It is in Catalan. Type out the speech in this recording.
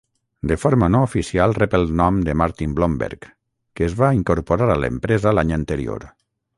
De forma no oficial rep el nom de Martin Blomberg, que es va incorporar a l'empresa l'any anterior.